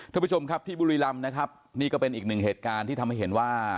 ท่านผู้ชมครับที่บุรีรำนะครับนี่ก็เป็นอีกหนึ่งเหตุการณ์ที่ทำให้เห็นว่า